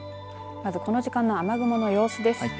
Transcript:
まずこの時間の雨雲の様子です。